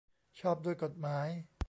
ชอบด้วยกฎหมาย